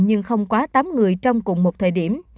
nhưng không quá tám người trong cùng một thời điểm